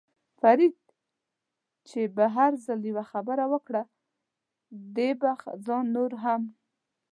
فرید چې به هر ځل یوه خبره وکړه، دې به ځان نور هم.